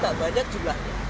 tapi kita banyak jumlahnya